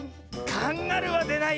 カンガルーはでないよ。